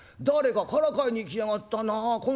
誰かからかいに来やがったなあ。